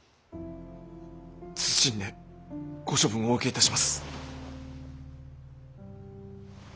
謹んでご処分お受けいたします。